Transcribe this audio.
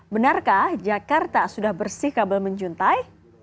benarkah jakarta sudah bersih kabel menjuntai